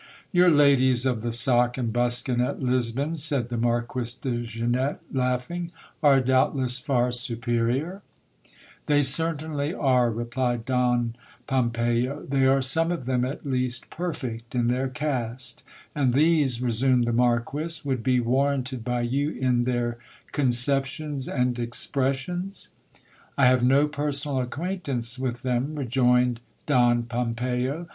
Your ladies of the sock and buskin at Lisbon, said the Marquis de Zenette, laughing, are doubtless far superior ? They certainly are, replied Don Pompeyo. They are some of them at least perfect in their cast. And these, resumed the Marquis, would be warranted by you in their conceptions and expressions ? I have no personal acquaintance with them, rejoined Don Pompeyo.